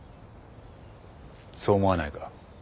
そう思わないか？